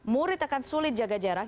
murid akan sulit jaga jarak